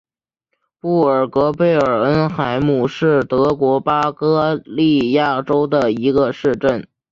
布尔格贝尔恩海姆是德国巴伐利亚州的一个市镇。